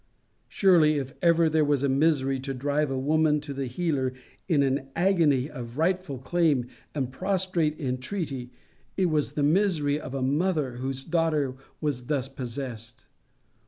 Surely if ever there was a misery to drive a woman to the Healer in an agony of rightful claim and prostrate entreaty, it was the misery of a mother whose daughter was thus possessed.